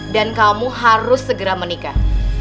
dan kamu harus segera menikah